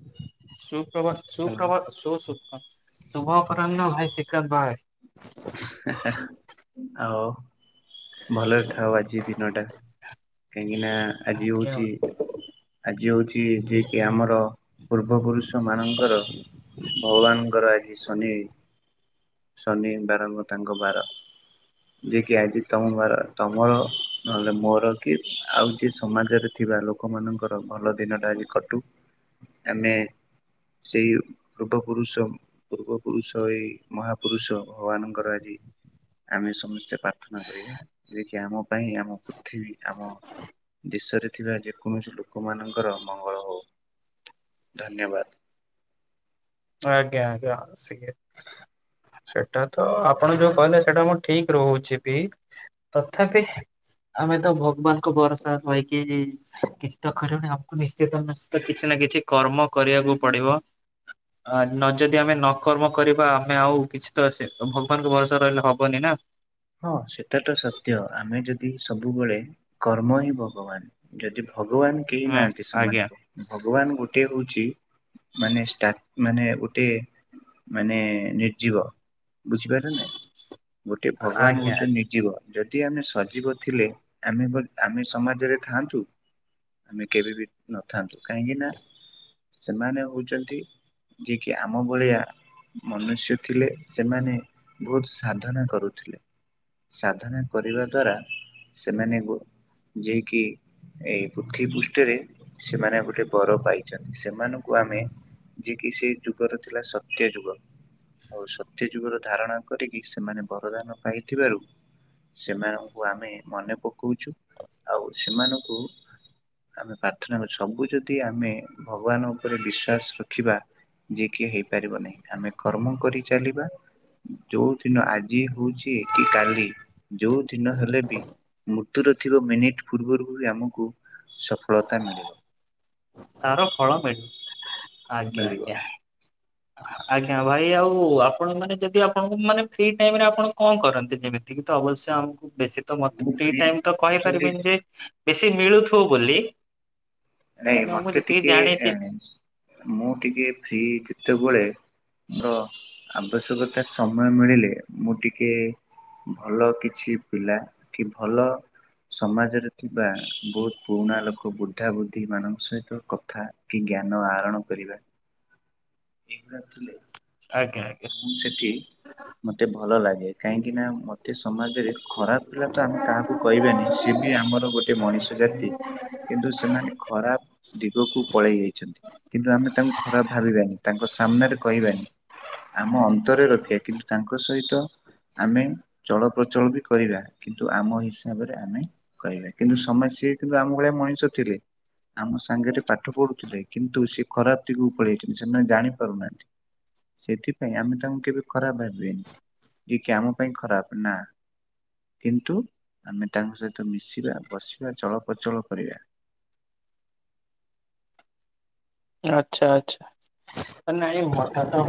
[inaudible] Suprabh, hello. ସୁପ୍ରଭ, ସୁୁଭ, ଶଭାବପନ ଭାଇ ଶିକତ ବା ଆଉ ଭଲରେ ଥାଉ, ଆଜି ଦିନଟା। କାହିଁକିନା ଆଜି ଆଜ୍ଞା। ହଉଚି। ଆଜି ହଉଛି। ଯିଏ କିି ଆମର, ପୂର୍ବ ପୁରୁଷ ମାନଙ୍କର ଭଗବାନ ଙ୍କର ଦ ଶନି, ଶନି ବାରଙ୍କ, ତାଙ୍କ ବାର। ଯିଏକି, ଆଜି ତମର, ତମର ନହେଲେ, ମୋର କି, ଆଉ ଯିଏ ସମାଜରେ ଥିବା ଲୋକମାନଙ୍କର, ଭଲ ଦିନଟା ଆଜି କଟୁ। ଆମେ ସେଇ ପୂର୍ବ ପୁରୁଷ। ପୂର୍ବ ପୁରୁଷ, ଏଇ ମହାପୁରୁଷ। ଭଗବାନଙ୍କର ଆଜି। ଆମେ ସମସ୍ତେ ପ୍ରାର୍ଥନା କରିବା। ଯେ କି ଆମ ପାଇଁ, ଆମ ପୃଥିବୀ ଆମ, ଦେଶରେ ଥିବା ଯେକୌଣସି ଲୋକମାନଙ୍କର, ମଙ୍ଗଳ ହଉ। ଧନ୍ୟବାଦ। ଆଜ୍ଞା। ଆଜ୍ଞା। ଆସିବେ। ସେଟା ତ। ଆପଣ ଯୋଉ କହିଲେ। ସେଇଟା ମୁଁ ଠିକ ରହୁଛି ବି। ତଥାପି ଆମେ ତ ଭଗବାନଙ୍କ ଭରସା ରହିକି। କିଛି ତ କରିବନି। ଆମକୁ ନିଶ୍ଚିତ, ନିଶ୍ଚିତ କିଛି ନାହିଁ। କିଛି କର୍ମ କରିବାକୁ ପଡିବ। ଆ ନ ଯଦି, ଆମେ ନକର୍ମ କରିବା। ଆମେ ଆଉ କିଛି ତ ଆସ ଭଗବାନଙ୍କ ଭରସା ରହିଲେ ହବନି ନା। ହଁ। ସେଟାଟା ସତ୍ୟ। ଆମେ ଯଦି ସବୁବେଳେ, କର୍ମ ହିଁ ଭଗବାନ। ଯଦି ଭଗବାନ କେହି ହୁଁ ନାହାନ୍ତି ଆଜ୍ଞା ସମାଜରେ। ଆଜ୍ଞା। ଭଗବାନ ଗୋଟଏ ହଉଛି ମାନେ, ଗୋଟେ ମାନେ, ନିର୍ଜୀବ ବୁଝିପାରିଲ ନାଇଁ। ଗୋଟେ ଭଗବାନ ଆଜ୍ଞା ହଉଛ ନିଜିବ। ଯଦି ଆମେ ସଜୀବ ଥିଲେ। ଆମେ, ଆମେ ସମାଜରେ ଥାଆନ୍ତୁ। ଆମେ କେବେ ବି ନଥାନ୍ତୁ। କାହିଁକି ନା, ସେମାନେ ହଉଛନ୍ତି ଯିଏ କିି ଆମ ଭଳିଆ, ମନୁଷ୍ୟ ଥିଲେ। ସେମାନେ ବହୁତ ସାଧନା କରୁ ସାଧନା କରିବା ଦ୍ଵାରା, ସେମାନେ, ଯଏକି ଏଇ ପୃଥିବୀ ପୃଷ୍ଠରେ, ସେମାନେ ଗୋଟେ ବର ପାଇଛନ୍ତି। ସେମାନଙ୍କୁ ଆମେ ଯିଏ କିି, ସେ ଯୁଗର ଥିଲା, ସତ୍ୟ ଯୁଗ। ଆଉ ସତ୍ୟ ଯୁଗର ଧାରଣା କରିକି, ସେମାନେ ବରଦାନ ପାଇଥିବାରୁ ସେମାନଙ୍କୁ ଆମେ, ମନେ ପକାଉଛୁ। ଆଉ ସେମାନଙ୍କୁ ଆମେ ପ୍ରାର୍ଥନା କରୁଛୁ। ସବୁ ଯଦି ଆମେ ଭଗବାନ ଉପରେ ବିଶ୍ଵାସ ରଖିବା ଯିଏ କିିଏ ହେଇପାରିବ ନାହିଁ। ଆମେ କର୍ମ କରି ଚାଲିବା। ଯୋଉ ଦିନ ଆଜି ଯଏ ହଉଛି। କି କାଲି, ଯୋଉ ଦିନ ହେଲେ ବି ମୃତ୍ୟୁର ଥିବା ମିନିଟ୍ ପୂର୍ବରୁ ବି ଆମକୁ ସଫଳତା ମିଳିବ। ତାର ଫଳ ମି ଆଜ୍ଞା, ମିଳିବ ଆଜ୍ଞା। ଆଜ୍ଞା ଭାଇ ଆଉ ଆପଣ ମାନେ ଯଦି ଆପଣଙ୍କୁ ମାନେ ଫ୍ରି ଟାଇମ ରେ ଆପଣ କଣ କରନ୍ତି। ଯେମିତିକି ତ ଅବଶ୍ୟ ଆମକୁ ବେଶୀ ତ ମତେ ମୁଁ ଫ୍ରି ଟାଇମ୍ ତ ଆକ୍ଚୁଆଲି କହିପାରିବିନି ଯେ ବେଶୀ ମିଳୁଥିବ ବୋଲି। ନାଇଁ କାହିଁକିନା ମୁଁ ମତେ ଯେତିକି ଟିକେ ଜାଣିଛି ମୁଁ ଟିକେ ଫି କେତେବେଳେ ତ ଆବଶ୍ୟକତା ସମୟ ମିଳିଲେ ମୁଁ ଟିକେ ଭଲ କିଛି ପିଲା କି ଭଲ ସମାଜରେ ଥିବା ବୋହୁତ ପୁରୁଣା ଲୋକ ବୁଢା ବୁ ଢି ମାନଙ୍କ ସହିତ କଥା କି ଜ୍ଞାନ ଆହରଣ କରିବା ଏଇଗୁଡା ଥିଲେ। ଆଜ୍ଞା ଆଜ୍ଞା। ମୁଁ ସେଠି ମତେ ଭଲ ଲାଗେ କାହିଁକି ନା ମତେ ସମାଜରେ ଖରାପ ପିଲା ତ ଆମେ କାହାକୁ କହିବାନି ସେ ବି ଆମର ଗୋଟେ ମଣିଷ ଜାତି। କିନ୍ତୁ ସେମାନେ ଖରାପ ଦିଗକୁ ପଳେଇ ଯାଇଚନ୍ତି, କିନ୍ତୁ ଆମେ ତାଙ୍କୁ ଖରାପ ଭାବିବାନି ତାଙ୍କ ସାମ୍ନାରେ କହିବାନି। ଆମ ଅନ୍ତରେ ରଖିବା କିନ୍ତୁ ତାଙ୍କ ସହିତ ଆମେ ଚଳପ୍ରଚଳ ବି କରିବା କିନ୍ତୁ ଆମ ହିସାବରେ ଆମେ କରିବା କିନ୍ତୁ ସମ ସ୍ତେ ସିଏ କିନ୍ତୁ ଆମ ଭଳିଆ ମଣିଷ ଥିଲେ। ଆମ ସାଙ୍ଗରେ ପାଠ ପଢୁଥିଲେ କିନ୍ତୁ ସେ ଖରାପ ଦିଗକୁ ପଳେଇ ଯାଇଚନ୍ତି ସେମାନେ ଜାଣି ପାରୁନାହାନ୍ତି। ସେଥିପାଇଁ ଆମେ ତାଙ୍କୁ କେବେ ଖରାପ ଭାବିବନି ଯିଏ କି ଆମ ପାଇଁ ଖରାପ ନା କିନ୍ତୁ ଆମେ ତାଙ୍କ ସହିତ ମିଶିବା ବସିବା ଚଳ ପ୍ରଚଳ କରିବା। ଆଚ୍ଛା, ଆଚ୍ଛା। ନାଇଁ ହଠାତ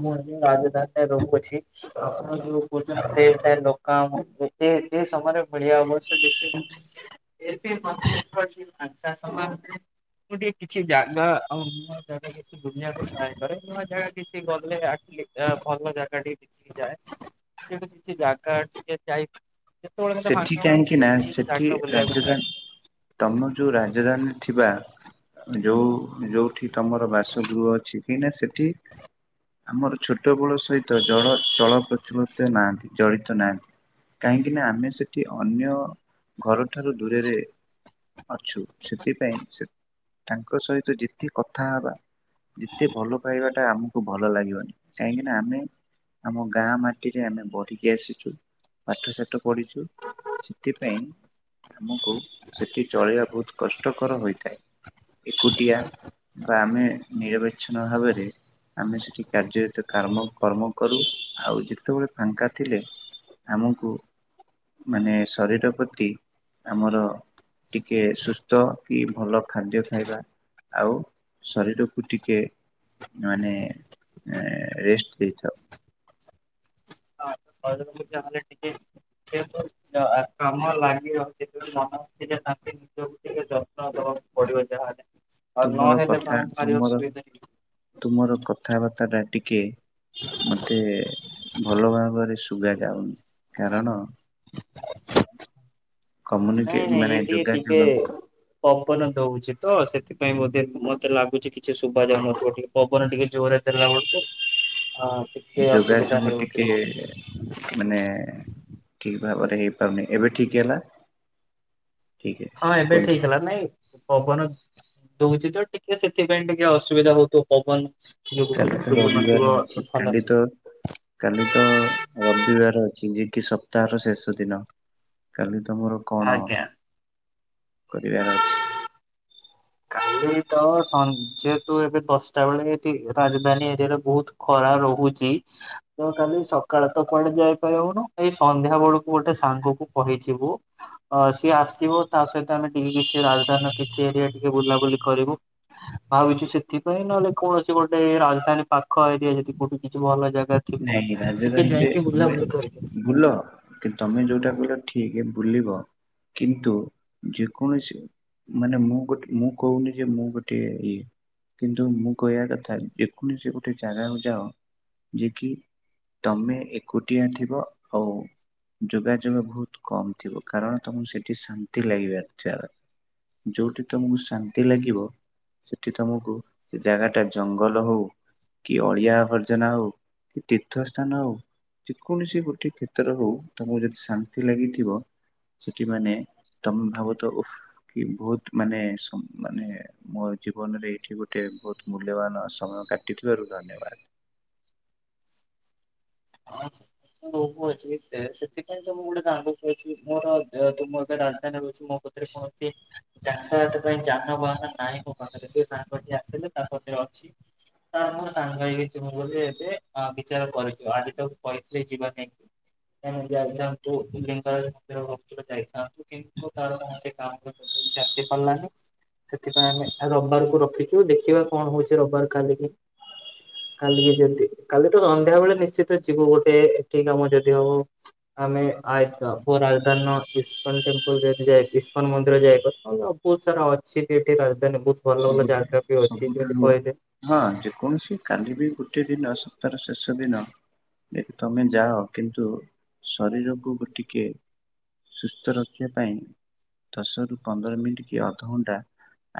ମୁଁ ଆଜି ରାଜଧାନୀ ରହୁଅଛି ଆପଣ ଯୋଉ [inaudible] ସେଇଥି ପାଇଁ ଲୋକ ଆମକୁ ଏ ଏସମୟରେ ବୁଲିବା ବୟସ [inaudible] [inaudible] ମୁଁ ଟିକେ କିଛି ଜାଗା ଆଉ ନୂଆ ଜାଗା କିଛି ବୁଲିବାକୁ ଟ୍ରାଏ କରେ ନୂଆ ଜାଗା କିଛି ଗଲେ ଆଟଲି ଅଂ ଭଲ ଜାଗା [inaudible] ଯାଏ ସେମିତି କିଛି ଯାଗା ଅଛି ଟିକେ ଯାଇ [inaudible] ସେଠି ଫାଙ୍କା ମିଳେ ମୁଁ କାହିଁକି ନା ଟିକେ ସେଠି ଜାଗା ବୁଲିବାକୁ ଟ୍ରାଏ ରାଜଧାନୀ କରେ ତମର ଯୋଉ ରାଜଧାନୀରେ ଥିବା ଯୋଉ ଯୋଉଠି ତମର ବାସଗୃହ ଅଛି କାହିଁନାି ସେଠି ଆମର ଛୋଟ ବଳ ସହିତ ଜଳ ଚଳ ପ୍ରଚଳିତ ନାହାନ୍ତି ଚଳିତ ନାହାନ୍ତି। କାହିଁକି ନା ଆମେ ସେଠି ଅନ୍ୟ ଘରଠାରୁ ଦୂରରେ ଅଛୁ ସେଥିପାଇଁ ସେ ତାଙ୍କ ସହିତ ଯେତେ କଥା ହବା ଯେତେ ଭଲ ପାଇବା ଟା ଆମକୁ ଭଲ ଲାଗିବନି କାହିଁକି ନା ଆମେ ଆମ ଗାଁ ମାଟିରେ ଆମେ ବଢିକି ଆସିଚୁ ପାଠ ସାଠ ପଢିଚୁ। ସେଥିପାଇଁ ଆମକୁ ସେଠି ଚଳେଇବା ବୋହୁତ କଷ୍ଟକର ହୋଇଥାଏ। ଏକୁଟିଆ ବା ଆମେ ନିରବଚ୍ଛିନ୍ନ ଭାବରେ ଆମେ ସେଠି କାର୍ଯ୍ୟରତ କାମ କର୍ମ କରୁ ଆଉ ଯେତେବେଳେ ଫାଙ୍କା ଥିଲେ ଆମକୁ ମାନେ ଶରୀର ପ୍ରତି ଆମର ଟିକେ ସୁସ୍ଥ କି ଭଲ ଖାଦ୍ୟ ଖାଇବା ଆଉ ଶରୀରକୁ ଟିକେ ମାନେ ରେଷ୍ଟ ଦେଇଥାଉ। [inaudible] [unintelligible] [unintelligible] ନିଜକୁ ଟିକେ ଯତ୍ନ ଦବାକୁ ପଡିବ ଯାହା ହେଲେ। ତୁମର କଥା ତୁମର ହେଇଯିବ। ତୁମର କ କଥାବାର୍ତ୍ତା ଟା ଟିକେ ମତେ ଭଲ ଭାବରେ ଶୁଗାଯାଉନି କାରଣ କମ୍ୟୁନିକେ ନାଇଁ ନାଇଁ ମାନେ ଏଠିକି ଟିକେ ଯୋଗାଯୋଗ ପବନ ଦଉଚି। ତ ସେଥିପାଇଁ ବୋଧେ ମତେ ଲାଗୁଚି କିଛି ଶୁଭାଯାଉନଥିବ ଟିକେ ପବନ ଟିକେ ଜୋରରେ ଦେଲା ବେଳକୁ। ଆ ଟିକେ ଅସୁବିଧା ଯୋଗାଯୋଗ ଟିକେ ହେଉଥିବ ମାନେ ଠିକ ଭାବରେ ହେଇପାରୁନି ଏବେ ଠିକ ହେଲା? ଠିକ ଅଛି ହଁ ଏବେ କୁହନ୍ତୁ ଠିକହେଲା ନାଇଁ? ପବନ ଦଉଛି ତ ଟିକେ ସେଥିପାଇଁ ଟିକେ ଅସୁବିଧା ହଉଥଵ ପବନ ଯୋଗୁ କାଲି ଟିକେ ତ ଶୁଭୁ ରବିବାର ନଥିବ ଅଛି କାଲି ଭଲସେ। ତ କାଲି ତ ରବିବାର ଅଛି ଯେ, କି ସପ୍ତାହର ଶେଷ ଦିନ କାଲି ତମର କଣ? ଆଜ୍ଞା କରିବାର ଅଛି। କ [inaudible] ଏ ତ ସ ଯେହତୁ ଏବେ ଦଶଟା ବେଳେ ଏଠି ରାଜଧାନୀ ଏରିଆରେ ବହୁତ ଖରା ରହୁ ଚି ତ କାଲି ସକାଳ ତ କୁଆଡେ ଯାଇପାରିବୁନୁ ଏଇ ସନ୍ଧ୍ୟା ବେଳକୁ ଗୋଟେ ସାଙ୍ଗକୁ କହି ଯିବୁ ଅ ସିଏ ଆସିବ ତା ସହିତ ଆମେ ଟିକେ କିଛି ରାଜଧାନିର କିଛି ଏରିଆ ଟିକେ ବୁଲାବୁଲି କରିବୁ। ଭାବୁଛୁ ସେଥିପାଇଁ ନହେଲେ କୌଣସି ଗୋଟେ ରାଜଧାନୀ ପାଖ ଏରିଆ ଯଦି କୋଉଠି କିଛି ଭଲ ଜା ନାଇଁ ରାଜଧାନିରେ ତୁମେ କରିକି ଆସିବା। ବୁଲ କିନ୍ତୁ ତମେ ଯୋଉଟା କହିଲ ଠିକ ବୁଲିବ କିନ୍ତୁ ଯେକୌଣସି ମାନେ ମୁଁ ଗୋଟେ ମୁଁ କହୁନି ଯେ ମୁଁ ଗୋଟେ ଇଏ। କିନ୍ତୁ ମୁଁ କହିବା କଥା ଯେକୌଣସି ଗୋଟେ ଜାଗାକୁ ଯାଅ କି ତମେ ଏକୁଟିଆ ଥିବ ଆଉ ଯୋଗାଯୋଗ ବହୁତ କମ ଥିବ କାରଣ ତମକୁ ସେଠି ଶାନ୍ତି ଲାଗିବାର ଥିବା ଦ ଯୋଉଠି ତମକୁ ଶାନ୍ତି ଲାଗିବ। ସେଠି ତମକୁ ସେ ଜାଗା ଟା ଜଙ୍ଗଲ ହଉ କି ଅଳିଆ ଆବର୍ଜନା ହଉ। କି ତୀର୍ଥ ସ୍ଥାନ ହଉ ଯେ କୌଣସି ଗୋଟେ କ୍ଷେତ୍ର ହଉ ତମକୁ ଯଦି ଶାନ୍ତି ଲାଗିଥିବ ସେଠି ମାନେ ତମେ ଭାବ ତ ଓଃ କି ବହୁତ ମାନେ ମାନେ ମ ଜୀବନରେ ଏଇଠି ଗୋଟେ ବହୁତ ମୂଲ୍ୟବାନ ସମୟ କାଟିଥିବାରୁ ଧନ୍ୟବାଦ। ହଁ ବ ଅଛି ଏତେ ସେଥିପାଇଁ ତମୁଁ ଗୋଟେ ଜାଣକୁ ଅଛି ମୋର ତମ ଏଟ ରାଜଧାନୀ ମୋ କତିରେ କୌଣସି ଯାତାୟତ ପାଇଁ ଯାନବାହାନ ନାହିଁ ମୋ ପାଖରେ ସେ ସାଙ୍ଗଠି ଆସିଲେ ତା ପାଖରେ ଅଛି। ତାର ମୋର ସାଙ୍ଗ ହେଇ ଚୁ ବୋଲିୋ ଏବେ ବିଚାର କରିଛୁ ଆଜି ତାକୁ କହିଥିଲି ଯିବା ପାଇଁ। ଯାଇଥାନ୍ତୁ ଲିଙ୍ଗରାଜ ମନ୍ଦିର କୁ ଟିକେ ଯାଇଥାନ୍ତୁ କିନ୍ତୁ ତାର ସେ କାମ ସେ ଆସି ପାରିଲାନି। ସେଥିପାଇଁ ଆମେ ରବିବାରକୁ ରଖିଛୁ ଦେଖିବା କଣ ହଉଛି ରବିବାର କାଲିିକି। କାଲିକି ଯଦି କାଲି ତ ସନ୍ଧ୍ୟା ବେଳେ ନିଶ୍ଚିତ ଯିବୁ ଗୋଟେ ଏଠି କାମ ଯଦି ହବ। ଆମେ ଆ ରାଜଧାନୀର ଇସ୍କନ ଟେମ୍ପଲ ଯଦି ଯାଇ ଇସ୍କନ ମନ୍ଦିର ଯାଇକଥା ଭଲ। ବହୁତ ସାରା ଅଛି ଏଠି ରାଜଧାନୀ ବହୁ ସବୁଠାରୁ ସବୁଠାରୁ ହଁ ଯେକୌଣସି କାଲି ବି ଗୋଟେ ଦିନ ସପ୍ତାହର ଶେଷ ବଷ ଦିନ ଯେ ତମେ ଯାଅ କିନ୍ତୁ ଶରୀରକୁ ଗୋ ଟିକେ ସୁସ୍ଥ ରଖିବା ପାଇଁ ଦଶରୁ ପନ୍ଦର ମିନିଟ କି ଅଧଘଣ୍ଟା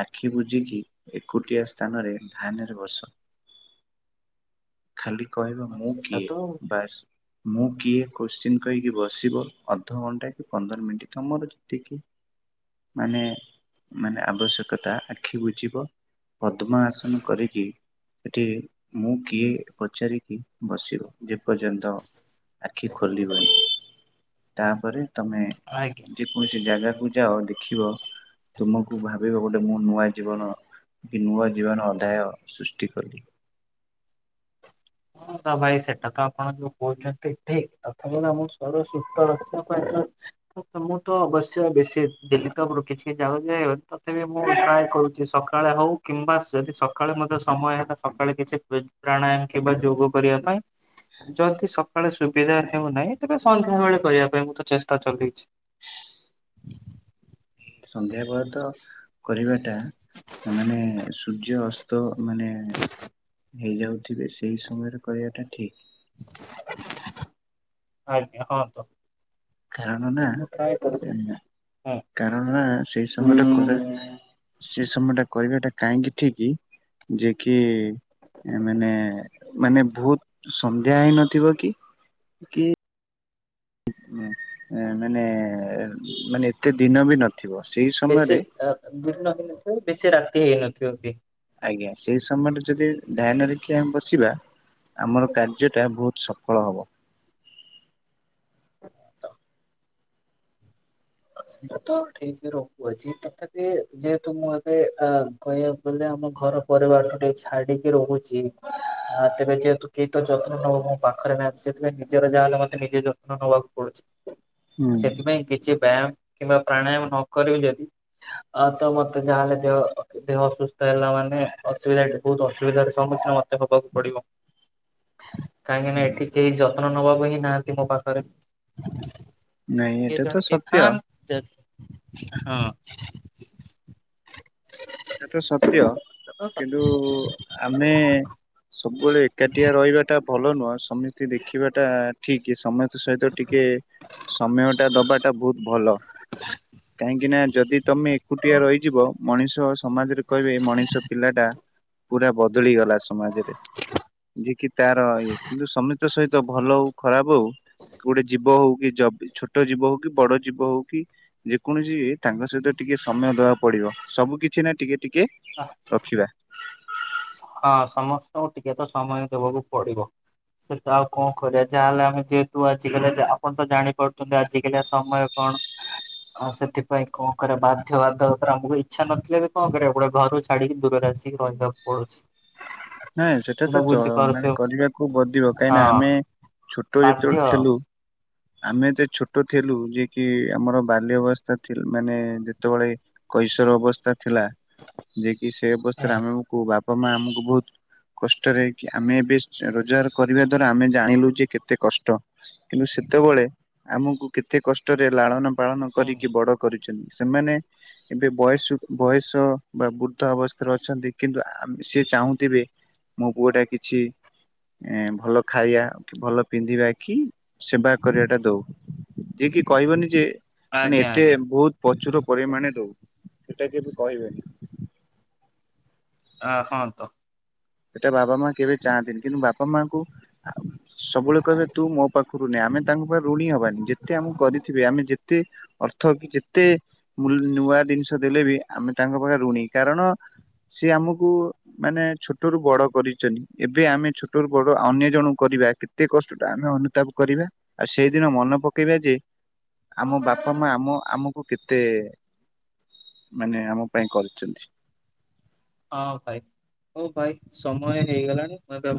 ଆଖି ଏଠ ବୁଝିକି ଏକୁଟିଆ ସ୍ଥାନରେ ଧ୍ୟାନରେ ବସ। ଖାଲି କହିବ ହଁ ମୁଁ ସେଟା କିଏ ତ ବାସ୍ ମୁଁ କିଏ କୋ୍ସଚିନ କହିକି ବସିବ ଅଧଘଣ୍ଟା କି ପନ୍ଦର ମିନିଟ ତମର ଯେତିକି ମାନେ ମାନେ ଆବଶ୍ୟକତା ଆଖି ବୁଜିବ। ପଦ୍ମ ଆସନ କରିକି। ସେଠି ମୁଁ କିଏ ପଚାରିକି ବସିବ ଯେପର୍ଯ୍ୟନ୍ତ। ଆଖି ଖୋଲିବନି ତାପରେ ତମେ ଆଜ୍ଞା ଯେ କୌଣସି ଜାଗା। ପୂଜା ଅ ଦେଖିବ ତୁମକୁ ଭାବିବ ଗୋଟେ ମୁ ନୂଆ ଜୀବନ କି ନୂଆ ଜୀବନ ଅଧ୍ୟାୟ ସୃଷ୍ଟି କଲି। ହଁ ତା ଭାଇ ସେଟା ତ ଆପଣ ଯୋଉ କହୁଚନ୍ତି ଠିକ୍ ତଥାପି ନା ଆମୋ ଶରୀର ସୁସ୍ଥ ରଖିବା ପାଇଁ ମୁଁ ତ ଅବଶ୍ୟ ବେଶୀ ଡେଲି ତଫରୁ କିଛି ଯାଉନି ଓ ତଥାପି ମୁଁ ପ୍ରାୟ କରୁଚି ସକାଳେ ହଉ କିମ୍ବା ଯଦି ସକାଳେ ମଧ୍ୟ ସମୟ ହେତା ସକାଳେ କିଛି ଏ ପ୍ରାଣାୟମ କିମ୍ବା ଯୋଗ କରିବା ପାଇଁ ଯଦି ସକାଳେ ସୁବିଧା ହେଉନାହିଁ ତେବେ ସନ୍ଧ୍ୟା ବେଳେ କରିବା ପାଇଁ ମୁଁ ତ ଚେଷ୍ଟା ଚଲେଇଛି। ହ ସନ୍ଧ୍ୟା ପରେ ତ କରିବାଟା ମାନେ ସୂର୍ଯ୍ୟ ଅସ୍ତ ମାନେ ହେଇଯାଉଥିବେ ସେଇ ସମୟରେ କରିବାଟା ଠିକ୍। ଆଜ୍ଞା ହଁ ତ। କାରଣ ନା ମୁଁ ଟ୍ରାଏ କରୁଛି ଏଁ ହଁ କାରଣ ନା ସେଇ ସମୟ ଟା [inaudible] ସେ ସମୟ ଟା କରିବାଟା କାହିଁକି ଠିକ୍ ଯେ କି ମାନେ ମାନେ ବହୁତ ସନ୍ଧ୍ୟା ହେଇ ନଥିବ କି କି? ମାନେ ମାନେ ଏତେ ଦିନ ବି ନ ବେଶୀ ଅ ଦିନ ହେଇନଥିବ ବେଶୀ ରାତି ହେଇନଥିବ ବି। ଆଜ୍ଞା ସେଇ ସମୟରେ ଯଦି ଧ୍ୟାନେରେଖି ଆମେ ବସିବା ଆମର କାର୍ଯ୍ୟଟା ବହୁତ ସଫଳ ହବ। ତ ତ ଠିକ୍। ରହୁଅଛି ତଥାପି ଯେହେତୁ ମୁଁ ଏବେ ଅ କହିବାକୁ ଗଲେ ଆମ ଘର ପରେବାରଟେ ଅଛି। ଛାଡିକି ରହୁଛି ଆ ତେବେ ଯେହେତୁ କେହି ତ ଯତ୍ନ ନବ ମୋ ପାଖରେ ନାହାନ୍ତି ସେଥିପାଇଁ ନିଜର ଯାହା ତାହେଲେ ମତେ ନିଜେ ଯତ୍ନ ନବାକୁ ପଡ଼ୁଚି। ହୁଁ ସେଥିପାଇଁ କିଛି ବ୍ୟାୟାମ କିମ୍ବା ପ୍ରାଣାୟାମ ନ କରିବୁ ଯଦି ଅ ତ ମତେ ଯାହାହେଲେ ଦେହ ଦେହ ଅସୁସ୍ଥ ହେଲା ମାନେ ଅସୁବିଧା ଏଠି ବହୁତ ଅସୁବିଧାର ସମ୍ମୁଖୀନ ମତେ ହବାକୁ ପଡିବ। କାହିଁକିନା ଏଠି କେହି ଯତ୍ନ ନବାକୁ ହିଁ ନାହାଁନ୍ତି ମୋ ପାଖରେ। ନାଇଁ ଏଇଟା ତ ସତ୍। ହଁ ଯଦ୍ ହଁ। ଏଟା ତ ସତ୍ୟ। ହଁ କିନ୍ତୁ ଆମେ ସବୁବେଳେ ଏକାଟିଆ ରହିବା ଟା ଭଲ ନୁହଁ। ସମିତି ଦେଖିବା ଟା ଠିକ୍ ସମସ୍ତ ସହିତ ଟିକେ ସମୟ ଟା ଦବାଟା ବହୁତ ଭଲ। କାହିଁକି ନା? ଯଦି ତମେ ଏକୁଟିଆ ରହିଯିବ ମଣିଷ ସମାଜରେ କହିବେ ମଣିଷ ପିଲା ଟା ପୁରା ବଦଳି ଗଲା ସମାଜରେ। ଯିଏ କିି ତାର ଇଏ କିନ୍ତୁ ସମିତ ସହିତ ଭଲ ହଉ ଖରାପ ହଉ ଗୋଟେ ଜୀବ ହଉ କି ଜ ଛୋଟ ଜୀବ ହଉ କି ବଡ ଜୀବ ହଉ କି ଯେକୌଣସି ତାଙ୍କ ସହିତ ଟିକେ ଟିକେ ସମୟ ଦବାକୁ ପଡିବ। ସବୁ କିଛି ନା ଟିକେ ଟିକେ ରଖିବା। ହଁ ସମସ୍ତଙ୍କୁ ଟିକେ ତ ସମୟ ଦବାକୁ ପଡିବ। ସେଟା ଆଉ କଁ କରିବା ଯାହାହେଲେ ଆମେ ଯେହେତୁ ଆଜିକାଲି ଆପଣ ତ ଜାଣିପାରୁଚନ୍ତି ଆଜିକାଲିଆ ସମୟ କଣ? କଣ ଅ ସେଥିପାଇଁ କଣ କରେ ବାଧ୍ୟ ବାଧକତାରେ ଆମକୁ ଇଚ୍ଛା ନଥିଲେ ବି କଣ କରିବାକୁ ପଡ଼ିବ ଘରୁ ଛାଡିକି ଦୂରରେ ଆସିିକି ରହିବାକୁ ପଡୁଛି। ନାଇଁ ସେଟା ତ ଚ ମାନେ କରିବାକୁ ବଦିବ କାହିଁନା ଆମେ ହଁ ଛୋଟ ବାଧ୍ୟ। ଯେତେବେଳେ ଥିଲୁ ଆମେ ଏ ତେ ଛୋଟ ଥିଲୁ ଯେ କି ଆମର ବାଲ୍ୟ ଅବସ୍ଥା ଥିଲ୍ ମାନେ ଯେତେବେଳେ କୈଶର ଅବସ୍ଥା ଥିଲା ଯେ କି ସେ ଅବସ୍ଥାରେ ଆମକୁ ବାପା ମା ଆମକୁ ବହୁତ୍ କଷ୍ଟରେ କି ଆମେ ଏବେ ରୋଜଗାର କରିବା ଦ୍ଵାରା ଆମେ ଜାଣିଲୁ ଯେ କେତେ କଷ୍ଟ। କିନ୍ତୁ ସେତବଳେ ଆମକୁ କେତେ କଷ୍ଟରେ ଲାଳନ ପାଳନ ହୁଁ କରିକି ବଡ କରି ସେମ୍ ସେମାନେ ଏବେ ବୟସୁ ବୟସ ବା ବୃଦ୍ଧ ଅବସ୍ଥାରେ ଅଛନ୍ତି। କିନ୍ତୁ ଆମେ ସିଏ ଚାହୁଁଥିବେ ମୋ ପୁଅ ଟା କିଛି ଏଁ ଭଲ ଖାଇଆ, କି ଭଲ ପିନ୍ଧିବା, କି ସେବା କରିବାଟା ଦଉ। ଯିଏ କି କହିବନି ଯେ ମାନେ ଆଜ୍ଞା ଏତେ ଆଜ୍ଞା ବହୁତ ପ୍ରଚୁର ପରିମାଣେ ଦଉ। ସେଟା କେବେ କହିବେନି। ଆ, ହଁ ତ। ସେଟା ବାପା ମା କେବେ ଚାହାନ୍ତିନି। କିନ୍ତୁ ବାପା ମାଙ୍କୁ ସବୁବେଳେ କହିବେ ତୁ ମୋ ପାଖ ଖୁରୁନି ଆମେ ତାଙ୍କ ପାଇଁ ଋଣୀ ହବାନି ଯେତେ ଆମକୁ କରିଥିବେ ଆମେ ଯେତେ ଅର୍ଥ କି ଯେତେ ମୁ ନୂଆ ଦିନିଷ ଦେଲେ ବି ଆମେ ତାଙ୍କ ପାଖରେ ଋଣୀ। କାରଣ ସିଏ ଆମକୁ ମାନେ ଛୋ ଟରୁୁ ବଡ କରିଛନି। ଏବେ ଆମେ ଛୋଟରୁୁ ବଡ ଅନ୍ୟ ଜଣଙ୍କୁ କରିବା କେତେ କଷ୍ଟଟା ଆମେ ଅନୁତାପ କରିବା। ଆଉ ସେଇଦିନ ମନେ ପକେଇବା ଯେ ଆମ ବାପା ମା ଆମ ଆମ କୁ କେତେ ମାନେ ଆମ ପାଇଁ କରିଚନ୍ତି। ହଁ ଭାଇ ହଉ ଭାଇ ସମୟ ହେଇଗଲାଣି ଅ, ତ